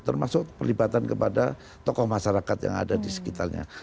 termasuk perlibatan kepada tokoh masyarakat yang ada di sekitarnya